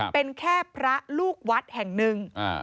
เป็นแค่พระลูกวัดแห่งหนึ่ง